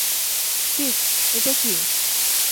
Sick, এটা কী?